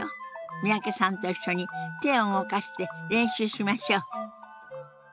三宅さんと一緒に手を動かして練習しましょう。